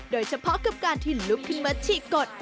โดยเฉพาะกับการที่ลุกขึ้นมาฉีกกด